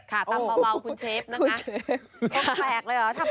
ค่ะตำเบาคุณเชฟนะคะ